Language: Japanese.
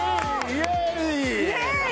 イエーイ！